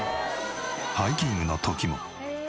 ハイキングの時も。